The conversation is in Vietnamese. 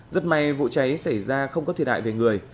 rất may vụ cháy xảy ra không có thiệt hại về người